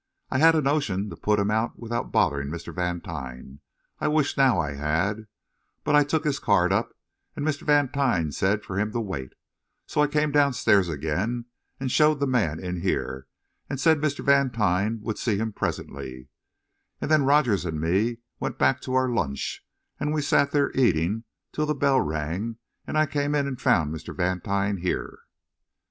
I had a notion to put him out without bothering Mr. Vantine I wish now I had but I took his card up, and Mr. Vantine said for him to wait; so I come downstairs again, and showed the man in here, and said Mr. Vantine would see him presently, and then Rogers and me went back to our lunch and we sat there eating till the bell rang, and I came in and found Mr. Vantine here."